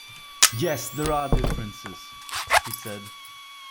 "Yes, there are differences," he said.